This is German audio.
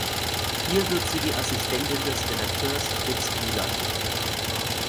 Hier wird sie die Assistentin des Redakteurs Fritz Ruhland.